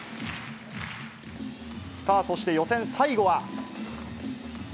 そして予選最後は。